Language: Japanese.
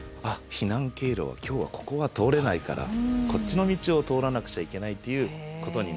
避難経路は今日はここは通れないからこっちの道を通らなくちゃいけないっていうことになるんですね。